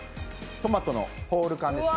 トマトのホール缶ですね。